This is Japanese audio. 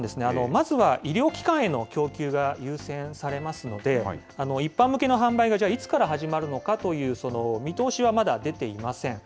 まずは医療機関への供給が優先されますので、一般向けの販売がじゃあ、いつから始まるのかという見通しはまだ出ていません。